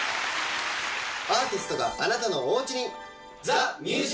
アーティストがあなたのおうちに。